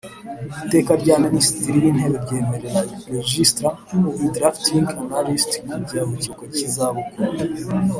Iteka rya Minisitiri w Intebe ryemerera Legislat e Drafting Analyst kujya mu kiruhuko cy izabukuru